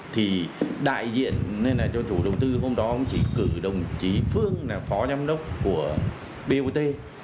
thì đại diện cho chủ đầu tư hôm đó cũng chỉ cử đồng chí phương là phó giám đốc của bot